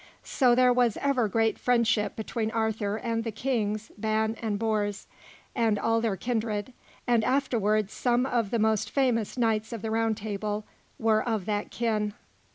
So there was ever great friendship between Arthur and the Kings Ban and Bors, and all their kindred; and afterward some of the most famous Knights of the Round Table were of that kin.